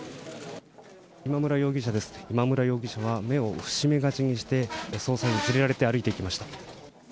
今村容疑者は目を伏し目がちにして捜査員に連れられて歩いていきました。